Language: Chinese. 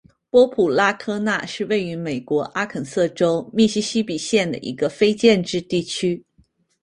波普拉科纳是位于美国阿肯色州密西西比县的一个非建制地区。